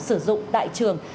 sử dụng tại trường